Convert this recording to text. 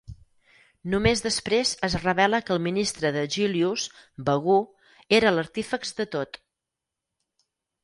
Només després es revela que el ministre de Jillius, Bagoo, era l'artífex de tot.